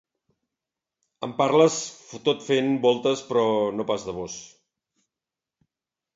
Em parles tot fent voltes però no pas de vós.